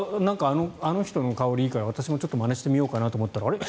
あの人の香りいいから私もちょっとまねしてみようかなと思ったらあれ？